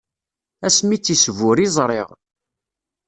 Ass mi i tt-isbur, i ẓriɣ.